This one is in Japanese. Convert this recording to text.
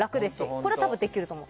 これはたぶんできると思う。